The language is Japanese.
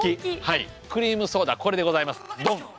クリームソーダこれでございますドン！